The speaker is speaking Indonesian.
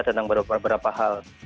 kita tentang beberapa hal